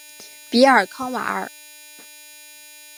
比尔康瓦尔。